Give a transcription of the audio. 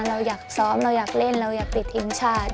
เราอยากซ้อมเราอยากเล่นเราอยากติดทีมชาติ